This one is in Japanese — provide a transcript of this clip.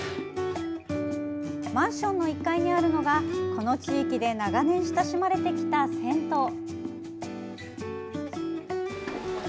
マンションの１階にあるのがこの地域で長年親しまれてきた銭湯。